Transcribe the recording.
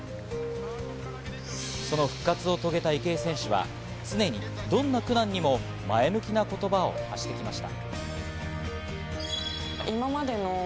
その復活を遂げた池江選手は常にどんな苦難にも前向きな言葉を発してきました。